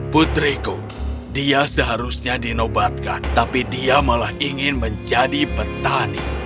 putriku dia seharusnya dinobatkan tapi dia malah ingin menjadi petani